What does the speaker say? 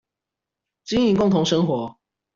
經營共同生活